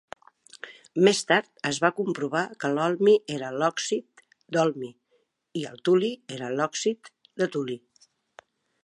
Més tard es va comprovar que l'holmi era l'òxid d'holmi i el tuli era l'òxid de tuli.